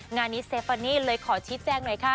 งานนี้เซฟานี่เลยขอชี้แจงหน่อยค่ะ